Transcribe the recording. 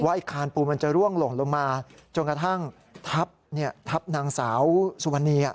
ไอ้คานปูนมันจะร่วงหล่นลงมาจนกระทั่งทับนางสาวสุวรรณี